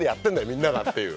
みんなが！っていう。